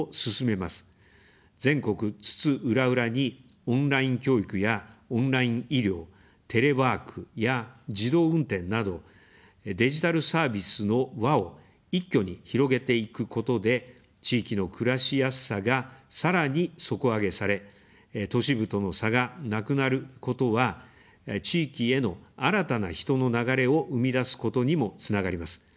全国津々浦々に、オンライン教育やオンライン医療、テレワークや自動運転など、デジタルサービスの輪を一挙に広げていくことで、地域の暮らしやすさが、さらに底上げされ、都市部との差がなくなることは、地域への新たな人の流れを生み出すことにもつながります。